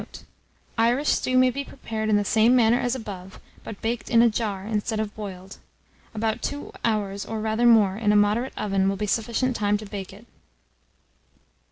Note. Irish stew may be prepared in the same manner as above, but baked in a jar instead of boiled. About 2 hours or rather more in a moderate oven will be sufficient time to bake it.